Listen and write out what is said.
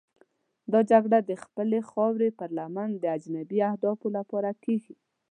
دا جګړه د خپلې خاورې پر لمن د اجنبي اهدافو لپاره کېږي.